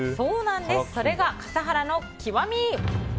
それが笠原の極み。